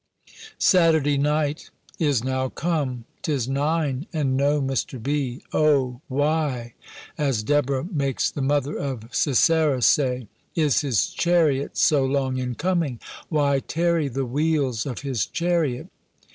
SATURDAY NIGHT Is now come. 'Tis nine, and no Mr. B. "O why," as Deborah makes the mother of Sisera say, "is his chariot so long in coming? Why tarry the wheels of his chariot?"